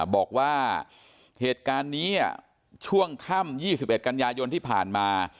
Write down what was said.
บอกว่าเหตุการณ์นี้ช่วงค่ำ๒๑กันยายนที่ผ่านมา